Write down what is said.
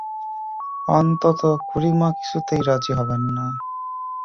অন্তত খুড়িমা কিছুতেই রাজি হবেন না।